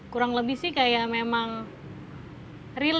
kurang lebih sih kayak memang relax sih